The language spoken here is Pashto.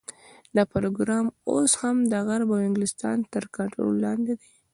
دا پروګرام اوس هم د غرب او انګلستان تر کنټرول لاندې دی.